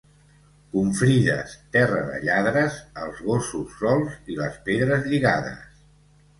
Confrides, terra de lladres, els gossos solts i les pedres lligades.